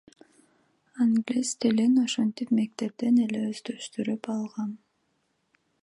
Англис тилин ошентип мектептен эле өздөштүрүп алгам.